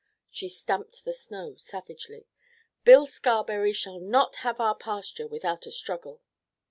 she stamped the snow savagely. "Bill Scarberry shall not have our pasture without a struggle."